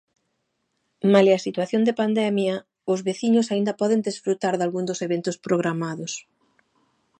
Malia a situación de pandemia, os veciños aínda poden desfrutar dalgún dos eventos programados.